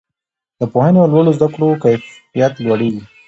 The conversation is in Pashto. د پوهنې او لوړو زده کړو کیفیت لوړیږي.